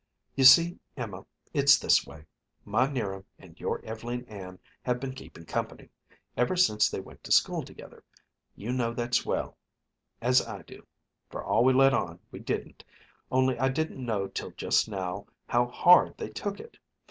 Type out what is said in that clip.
"You see, Emma, it's this way: My 'Niram and your Ev'leen Ann have been keeping company ever since they went to school together you know that 's well as I do, for all we let on we didn't, only I didn't know till just now how hard they took it.